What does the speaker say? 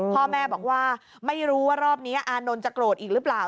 พ่อแม่บอกว่าไม่รู้ว่ารอบนี้อานนท์จะโกรธอีกหรือเปล่า